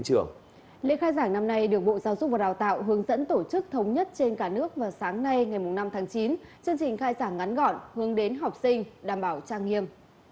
chương trình khai giảng ngắn gọn hướng đến học sinh đảm bảo trang nghiêm